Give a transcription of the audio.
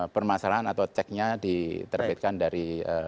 permasalahan atau ceknya diterbitkan dari